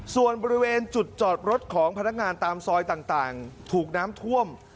ส่วนบริเวณจุดจอดรถของพนักงานตามซอยต่างถูกน้ำท่วม